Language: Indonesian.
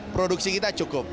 produksi kita cukup